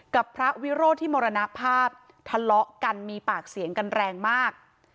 กับพระวิโรธที่มรณภาพทะเลาะกันมีปากเสียงกันแรงมาก